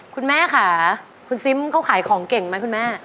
คุณแม่ค่ะคุณซิมเขาขายของเก่งไหมคุณแม่